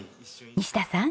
西田さん